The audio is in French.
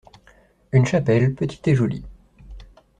Une chapelle, petite et jolie.